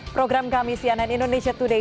program kami cnn indonesia today